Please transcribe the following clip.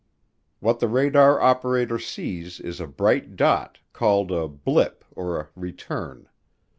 What the radar operator sees is a bright dot, called a "blip" or a "return."